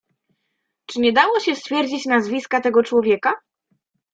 "Czy nie dało się stwierdzić nazwiska tego człowieka?"